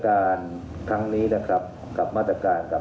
เขาต้องมีความคุ้มข้นในเรื่องนั้นครับ